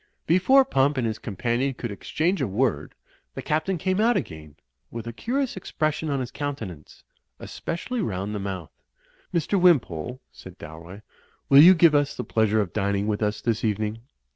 Before Pump and his companion could exchange a word, the Captain came out again, with a curious expression on his countenance, especially rotind the mouth. "Mr. Wimpole," said Dalroy, "will you give us the pleasure of dining with us this evening?